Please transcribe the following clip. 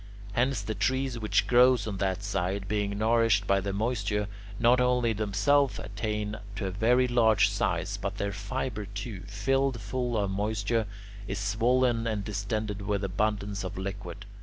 Hence the trees which grow on that side, being nourished by the moisture, not only themselves attain to a very large size, but their fibre too, filled full of moisture, is swollen and distended with abundance of liquid.